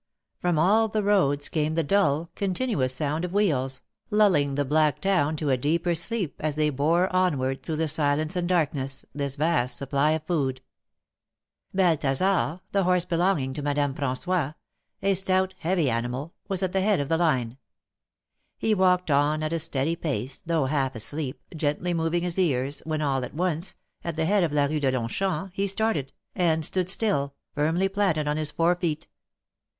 From all the roads came the dull, continuous sound of wheels, lulling the black town to a deeper sleep as they bore onward through the silence and darkness, this vast supply of food. Balthasar — the horse belonging to Madame Fran5ois — a stout, heavy animal — was at the head of the line. He walked on at a steady pace, though half asleep, gently moving his ears, when all at once, at the head of la Rue de Longchamps, he started, and stood still, firmly planted on his four feet.